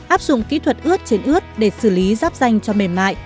áp dụng kỹ thuật ướt trên ướt để xử lý ráp danh cho mềm mại